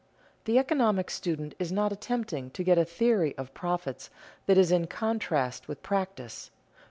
The economic student is not attempting to get a theory of profits that is in contrast with practice.